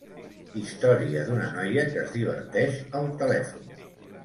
Història d'una noia que es diverteix al telèfon.